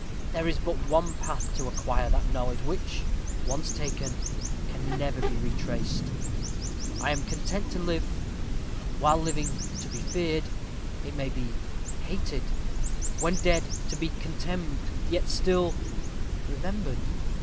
There is but one path to acquire that knowledge, which, once taken, can never be retraced. I am content to live while living, to be feared it may be, hated; when dead, to be contemned yet still remembered.